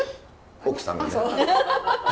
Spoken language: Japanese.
奥さんがね。